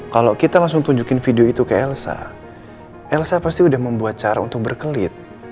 kalau kita langsung tunjukin video itu ke elsa elsa pasti sudah membuat cara untuk berkelit